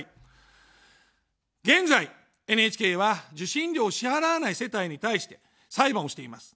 現在、ＮＨＫは受信料を支払わない世帯に対して裁判をしています。